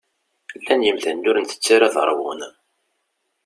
Llan yimdanen ur ntett ara ad rwun.